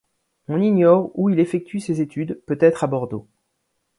On ignore où il effectue ses études, peut-être à Bordeaux.